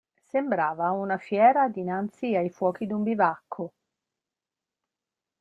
Sembrava una fiera dinanzi ai fuochi d'un bivacco.